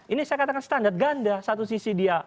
ini saya katakan standar ganda satu sisi dia